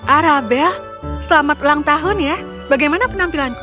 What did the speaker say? arabel selamat ulang tahun ya bagaimana penampilanku